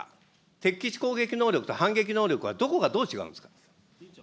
敵基地攻撃能力と反撃能力はどこがどう違うんですか。